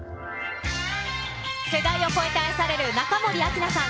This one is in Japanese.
世代を超えて愛される中森明菜さん。